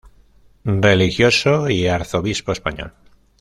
Religioso y arzobispo español.